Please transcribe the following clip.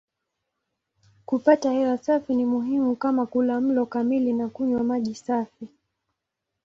Kupata hewa safi ni muhimu kama kula mlo kamili na kunywa maji safi.